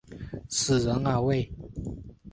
死人呀喂！